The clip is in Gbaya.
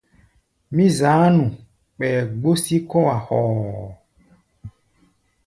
Mí za̧á̧ nu ɓɛɛ gbó sí kɔ̧́-a̧ hoo.